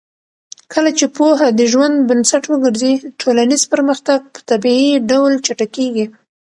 کله چې پوهه د ژوند بنسټ وګرځي، ټولنیز پرمختګ په طبیعي ډول چټکېږي.